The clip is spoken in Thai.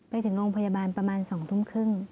ไปถึงโรงพยาบาลประมาณ๒ทุ่มครึ่ง